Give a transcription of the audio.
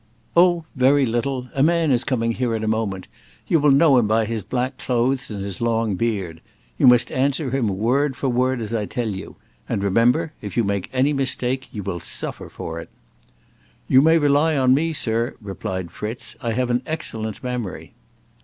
"Oh, very little. A man is coming here in a moment: you will know him by his black clothes and his long beard. You must answer him word for word as I tell you. And remember, if you make any mistake, you will suffer for it." "You may rely upon me, sir," replied Fritz. "I have an excellent memory."